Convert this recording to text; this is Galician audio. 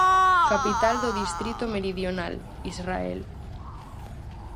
Capital do distrito Meridional, Israel.